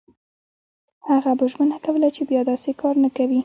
هغه به ژمنه کوله چې بیا داسې کار نه کوي.